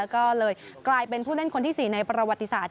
ก็เลยกลายเป็นผู้เล่นคนที่๔ในประวัติศาสต